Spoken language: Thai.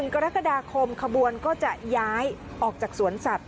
กรกฎาคมขบวนก็จะย้ายออกจากสวนสัตว